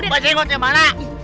mbah jenggotnya mana